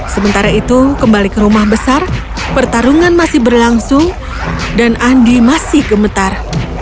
sementara itu kembali ke rumah besar pertarungan masih berlangsung dan andi masih gemetar